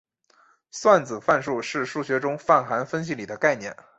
算子范数是数学中泛函分析里的概念。